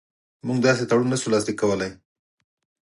موږ داسې تړون نه شو لاسلیک کولای.